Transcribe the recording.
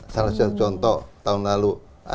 salah satu contoh tahun lalu